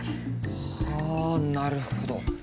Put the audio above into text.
はなるほど。